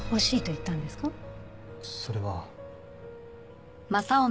それは。